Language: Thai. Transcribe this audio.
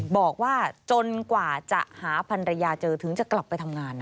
บอกว่าจนกว่าจะหาพันรยาเจอถึงจะกลับไปทำงาน